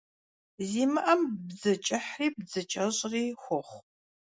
Zimı'em bdzı ç'ıhri bdzı ç'eş'ri xuoxhu.